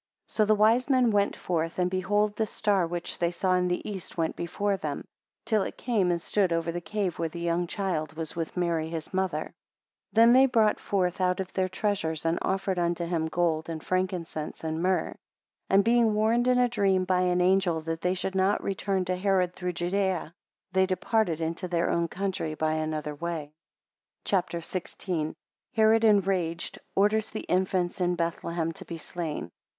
9 So the wise men went forth, and behold, the star which they saw in the east went before them, till it came and stood over the cave where the young child was with Mary his mother. 10 Then they brought forth out of their treasures, and offered unto him gold and frankincense, and myrrh. 11 And being warned in a dream by an angel, that they should not return to Herod through Judaea, they departed into their own country by another way. CHAPTER XVI. 1 Herod enraged, orders the infants in Bethlehem to be slain.